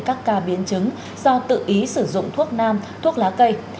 các ca biến chứng do tự ý sử dụng thuốc nam thuốc lá cây